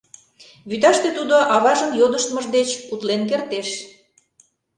Вӱташте тудо аважын йодыштмыж деч утлен кертеш.